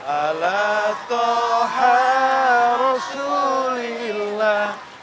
ala tuhan rasulillah